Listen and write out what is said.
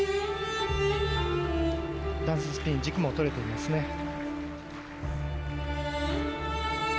ダンススピン軸も取れてますね。